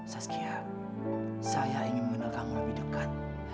saskia saya ingin mengenal kamu lebih dekat